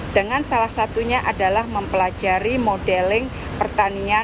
dengan salah satunya adalah mempelajari modeling pertanian